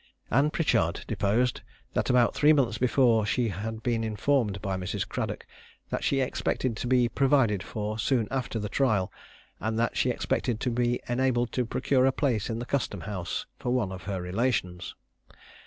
Anne Pritchard deposed, that about three months before she had been informed by Mrs. Cradock that she expected to be provided for soon after the trial, and that she expected to be enabled to procure a place in the Custom house for one of her relations.